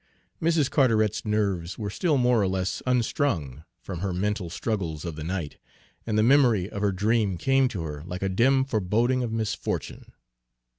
Mrs. Carteret's nerves were still more or less unstrung from her mental struggles of the night, and the memory of her dream came to her like a dim foreboding of misfortune.